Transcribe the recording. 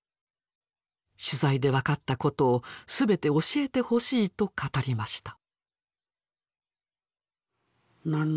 取材で分かったことを全て教えてほしいと語りました。